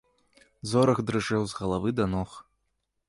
Зорах дрыжэў з галавы да ног.